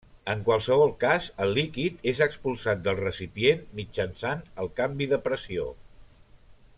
En qualsevol cas el líquid és expulsat del recipient mitjançant el canvi de pressió.